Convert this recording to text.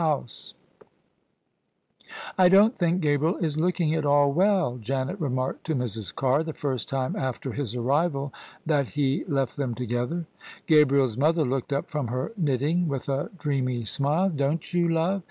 OF ISABEL CARNABY "I don't think Gabriel is looking at all well," Janet remarked to Mrs. Carr, the first time after his arrival that he left them together. Gabriel's mother looked up from her knitting with a dreamy smile. "Don't you, love?